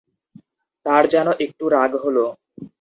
তাঁর যেনো একটু রাগ হলো।